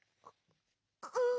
うん。